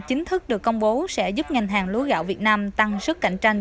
chính thức được công bố sẽ giúp ngành hàng lúa gạo việt nam tăng sức cạnh tranh